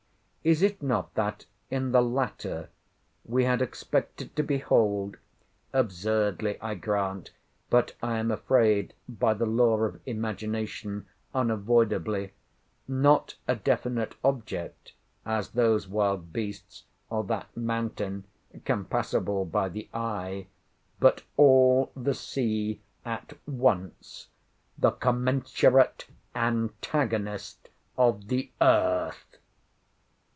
—Is it not, that in the latter we had expected to behold (absurdly, I grant, but, I am afraid, by the law of imagination unavoidably) not a definite object, as those wild beasts, or that mountain compassable by the eye, but all the sea at once, THE COMMENSURATE ANTAGONIST OF THE EARTH!